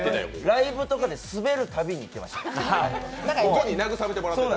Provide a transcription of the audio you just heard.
ライブとかでスベるたびに行ってました。